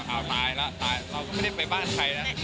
อ้าวตายแล้วตายเราก็ไม่ได้ไปบ้านใครแล้ว